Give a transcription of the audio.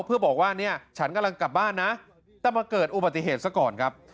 เพื่อบอกว่าเนี่ยฉันกำลังกลับบ้านนะแต่มาเกิดอุบัติเหตุซะก่อนครับ